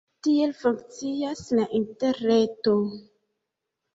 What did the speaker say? Tiel funkcias la interreto.